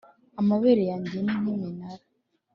amabere yanjye ni nk’iminara;